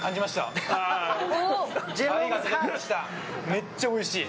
めっちゃおいしい。